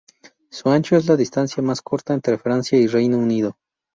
Su ancho es la distancia más corta entre Francia y Reino Unido.